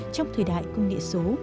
trong thời đại công nghệ số